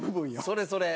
それそれ。